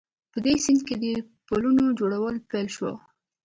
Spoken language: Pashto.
په دې سیند کې د پلونو جوړول پیل شوي